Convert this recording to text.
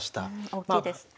大きいです。